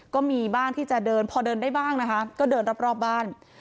ก็มีบ้างที่จะเดินพอเดินได้บ้างนะคะก็เดินรอบบ้าน